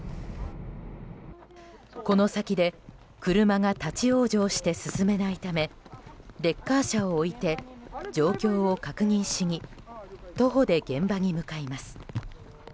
この先で車が立ち往生して進めないためレッカー車を置いて状況を確認しに徒歩で現場に向かいます。